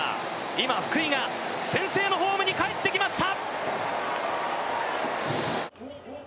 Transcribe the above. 今、福井が先制のホームにかえってきました。